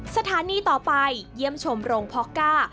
สถานีต่อไปเยี่ยมชมโรงพอก้า